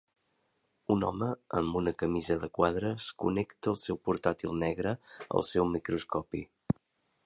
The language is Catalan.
Un home amb una camisa de quadres connecta el seu portàtil negre al seu microscopi.